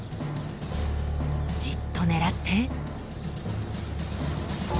じっと狙って。